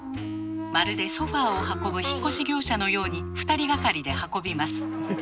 まるでソファーを運ぶ引っ越し業者のように２人がかりで運びます。